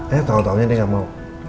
eh tahun tahunya dia gak mau